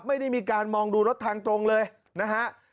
ไม่ได้มีการมองดูรถทางตรงเลยนะฮะ